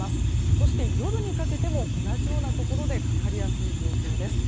そして夜にかけても同じようなところでかかりやすい状況です。